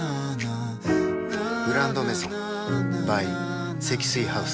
「グランドメゾン」ｂｙ 積水ハウス